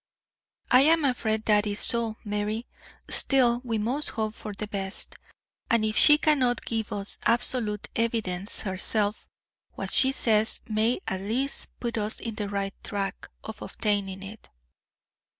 "I am afraid that that is so, Mary. Still, we must hope for the best, and if she cannot give us absolute evidence herself, what she says may at least put us in the right track for obtaining it.